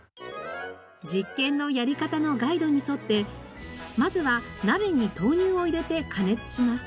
実験のやり方のガイドに沿ってまずは鍋に豆乳を入れて加熱します。